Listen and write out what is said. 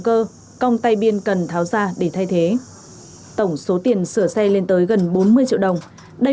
cơ quan tay biên cần tháo ra để thay thế tổng số tiền sửa xe lên tới gần bốn mươi triệu đồng đây